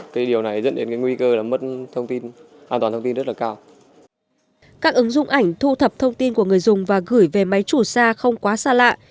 các ứng dụng ảnh thu thập thông tin của người dùng và gửi về máy chủ xa không quá xa lạ